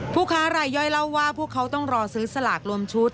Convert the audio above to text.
ผู้ค้ารายย่อยเล่าว่าพวกเขาต้องรอซื้อสลากรวมชุด